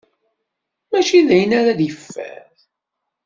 Mačči d ayen ara yeffer.